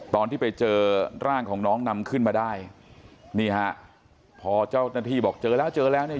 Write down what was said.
ตอนที่ไปเจอร่างของน้องนำขึ้นมาได้นี่ฮะพอเจ้าหน้าที่บอกเจอแล้วเจอแล้วเนี่ย